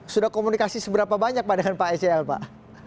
sudah komunikasi seberapa banyak pada pak sjl pak